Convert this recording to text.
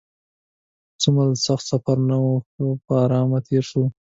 څه دومره سخت سفر نه و، ښه په ارامه تېر شو.